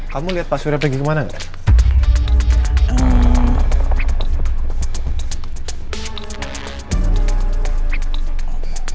kamu liat pak suri pergi kemana gak